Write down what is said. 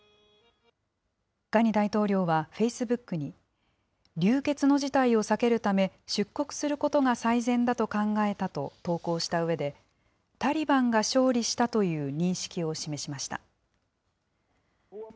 ガニ大統領はフェイスブックに、流血の事態を避けるため、出国することが最善だと考えたと投稿したうえで、タリバンが勝利したという認識を示しました。